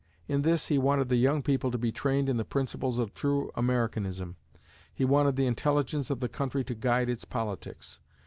In this, he wanted the young people to be trained in the principles of true Americanism. He wanted the intelligence of the country to guide its politics.